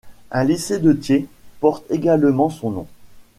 Un lycée de Thiès porte également son nom.